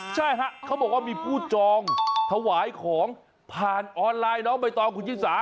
ใช่ฮะเขาบอกว่ามีผู้จองถวายของผ่านออนไลน์น้องใบตองคุณชิสา